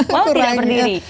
mau tidak berdiri